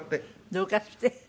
どかして？